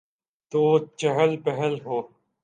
تو چہل پہل ہو۔